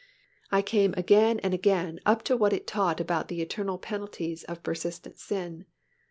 I came again and again up to what it taught about the eternal penalties of persistent sin.